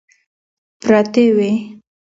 پرتې وې.